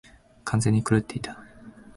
完全に狂っていた。